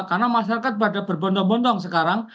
karena masyarakat pada berbontong bontong sekarang